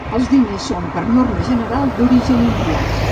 Els diners són per norma general d'origen indià.